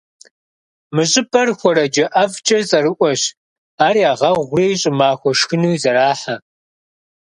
Мы щӏыпӏэр хуэрэджэ ӏэфӏкӏэ цӏэрыӏуэщ, ар ягъэгъури, щӏымахуэ шхыну зэрахьэ.